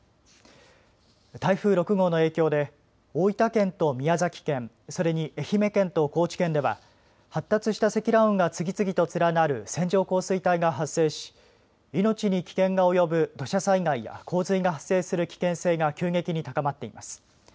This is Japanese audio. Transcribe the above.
台風６号の影響で大分県と宮崎県、それに愛媛県と高知県では発達した積乱雲が次々と連なる線状降水帯が発生し命に危険が及ぶ土砂災害や洪水が発生する危険性が急激に高まっています。